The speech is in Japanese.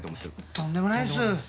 とんでもないです。